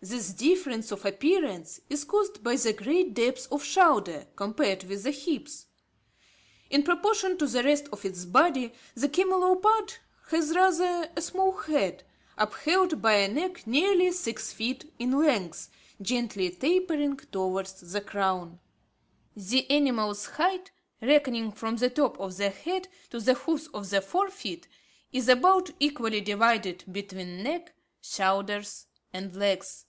This difference of appearance is caused by the great depth of shoulder, compared with the hips. In proportion to the rest of its body, the camelopard has rather a small head, upheld by a neck nearly six feet in length, gently tapering towards the crown. The animal's height, reckoning from the top of the head to the hoofs of the fore feet, is about equally divided between neck, shoulders, and legs.